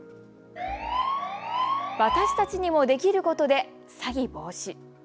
私たちにもできることで詐欺防止。